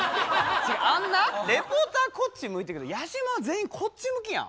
あんなリポーターこっち向いてるけどやじ馬は全員こっち向きやん。